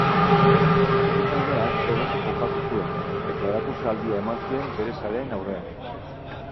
Etxeko taldeak eroso jokatu zuen, eta erakustaldia eman zuen bere zaleen aurrean.